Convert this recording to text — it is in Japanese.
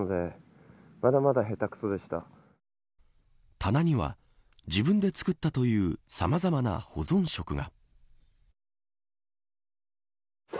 棚には自分で作ったというさまざまな保存食が。